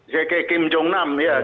zeki kim jong nam ya